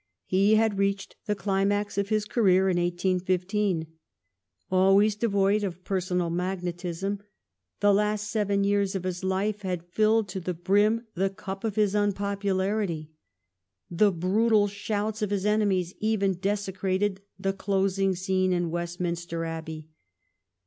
He had reached the climax of his career in 1815. Always devoid of personal magnetism, the last seven years of his life had filled to the brim the cup of his unpopularity. The brutal shouts of his enemies even desecrated the closing scene in Westminster Abbey.